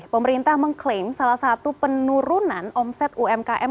pemerintah mengklaim salah satu penurunan omset umkm